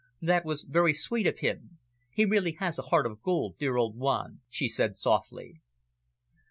"That was very sweet of him. He really has a heart of gold, dear old Juan," she said softly.